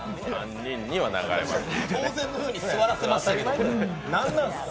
当然のように座らせましたけど、なんなんですか。